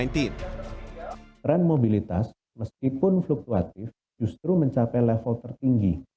trend mobilitas meskipun fluktuatif justru mencapai level tertinggi